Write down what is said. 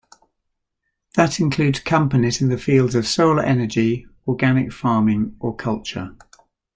That includes companies in the fields of solar energy, organic farming or culture.